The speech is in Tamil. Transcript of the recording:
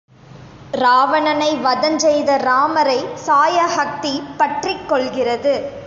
இராவணனை வதஞ் செய்த ராமரை சாயஹத்தி பற்றிக்கொள்கிறது.